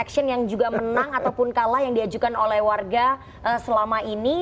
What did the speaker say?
action yang juga menang ataupun kalah yang diajukan oleh warga selama ini